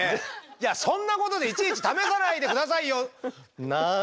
いやそんなことでいちいち試さないで下さいよ！